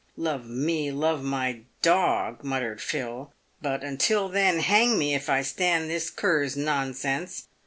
"Love me, love my dog," muttered Phil; "but, until then, hang me if I stand this cur's nonsense."